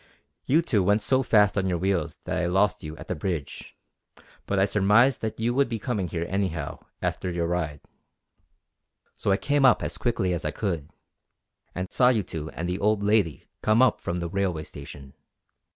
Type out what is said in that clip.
You two went so fast on your wheels that I lost you at the Bridge; but I surmised that you would be coming here anyhow after your ride. So I came up as quickly as I could, and saw you two and the old lady come up from the railway station.